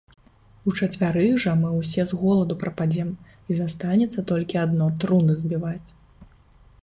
- Учацвярых жа мы ўсе з голаду прападзем, і застанецца толькі адно - труны збіваць